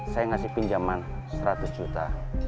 saya ngasih pinjaman seratus juta